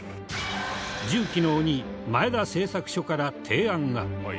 重機の鬼前田製作所から提案が。